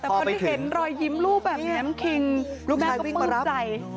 แต่พอได้เห็นรอยยิ้มรูปแบบแมมคิงลูกแม่ก็ฟื้นใจ